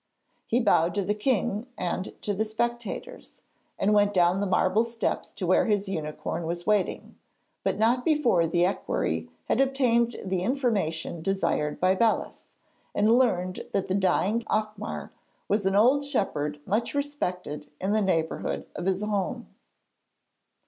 He bowed to the king and to the spectators, and went down the marble steps to where his unicorn was waiting, but not before the equerry had obtained the information desired by Belus, and learned that the dying Ocmar was an old shepherd much respected in the neighbourhood of his home.